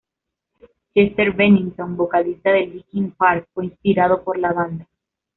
Chester Bennington, vocalista de Linkin Park, fue inspirado por la banda.